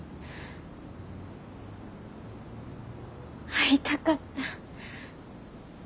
会いたかった。